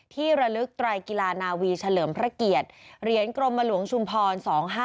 ระลึกไตรกีฬานาวีเฉลิมพระเกียรติเหรียญกรมหลวงชุมพร๒๕๖